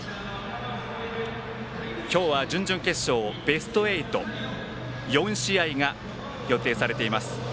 今日は準々決勝、ベスト８４試合が予定されています。